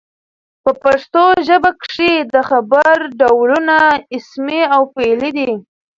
په پښتو ژبه کښي د خبر ډولونه اسمي او فعلي دي.